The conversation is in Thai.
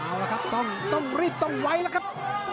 เอาละครับต้องรีบต้องไว้แล้วครับ